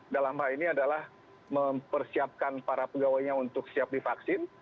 dalam hal ini adalah mempersiapkan para pegawainya untuk siap divaksin